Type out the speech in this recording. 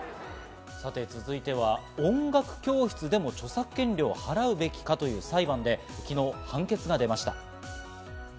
続いては音楽教室でも著作権料を払うべきかという裁判で昨日判決が出ました。